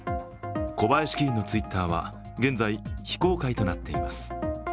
小林議員のＴｗｉｔｔｅｒは現在、非公開となっています。